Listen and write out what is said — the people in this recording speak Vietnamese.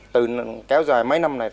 từ kéo dài mấy năm này